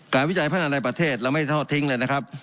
วิจัยพัฒนาในประเทศเราไม่ทอดทิ้งเลยนะครับ